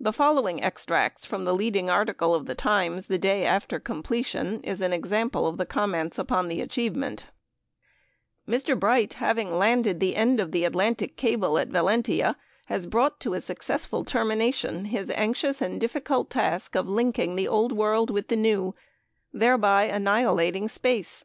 The following extracts from the leading article of The Times the day after completion is an example of the comments upon the achievement: Mr. Bright, having landed the end of the Atlantic cable at Valentia, has brought to a successful termination his anxious and difficult task of linking the Old World with the New, thereby annihilating space.